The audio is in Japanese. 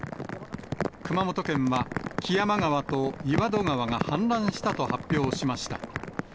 熊本県は、木山川と岩戸川が氾濫したと発表しました。